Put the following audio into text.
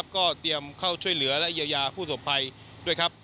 ก็เตรียมเข้าช่วยเหลือและเยียวยาผู้สบภัยด้วยครับ